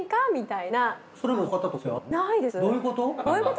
どういうこと？